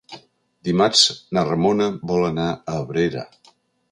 Dimarts na Ramona vol anar a Abrera.